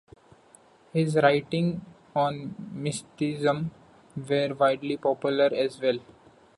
His writings on mysticism were widely popular as well.